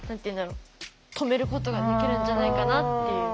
止めることができるんじゃないかなっていう。